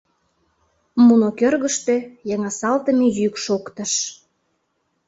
Муно кӧргыштӧ йыҥысалтыме йӱк шоктыш: